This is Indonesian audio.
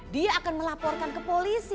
dia akan melaporkan ke polisi